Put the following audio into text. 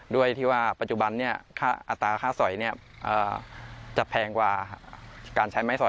ด้วยที่ว่าปัจจุบันอัตราค่าสอยจะแพงกว่าการใช้ไม้สอย